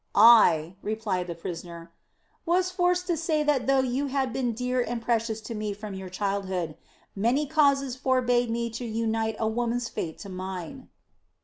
"I," replied the prisoner, "was forced to say that though you had been dear and precious to me from your childhood, many causes forbade me to unite a woman's fate to mine."